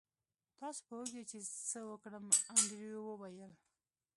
تاسو پوهیږئ چې څه وکړم انډریو وویل